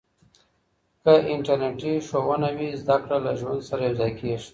که انټرنېټي ښوونه وي، زده کړه له ژوند سره یوځای کېږي.